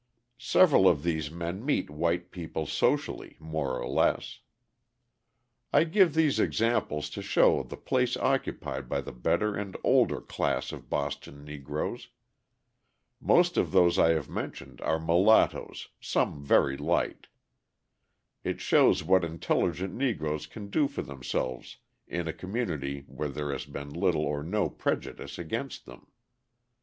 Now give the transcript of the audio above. Several of these men meet white people socially more or less. I give these examples to show the place occupied by the better and older class of Boston Negroes. Most of those I have mentioned are mulattoes, some very light. It shows what intelligent Negroes can do for themselves in a community where there has been little or no prejudice against them.